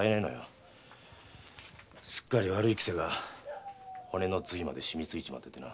すっかり悪い癖が骨の髄まで染みついちまっててな。